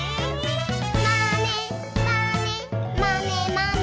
「まねまねまねまね」